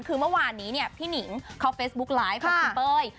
คือเมื่อวานนี้เนี่ยพี่หนิงเขาเฟซบุ๊กไลฟ์ของคุณเป้ย